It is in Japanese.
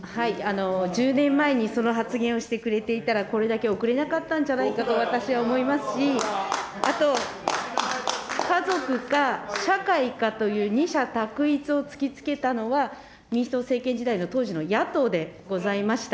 １０年前にその発言をしてくれていたら、これだけ遅れなかったんじゃないかと私は思いますし、あと家族か社会かという二者択一を突きつけたのは、民主党政権時代の当時の野党でございました。